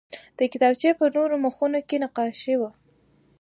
د کتابچې په نورو مخونو کې نقاشي وه